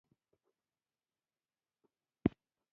هر وخت به یې اورم خو چا وویل چې بل امام لمونځ ورکوي.